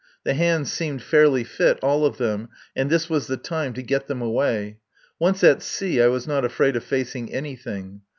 The hands seemed fairly fit, all of them, and this was the time to get them away. Once at sea I was not afraid of facing anything.